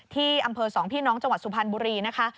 ที่อำเภอสองพี่น้องจังหวัดสุพรรณบุรีนะคะ